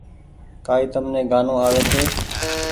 ڪآئي تم ني گآنو آوي ڇي۔